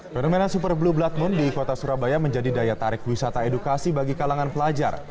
fenomena super blue blood moon di kota surabaya menjadi daya tarik wisata edukasi bagi kalangan pelajar